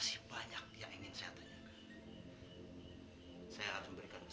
sebenarnya siapa yang telah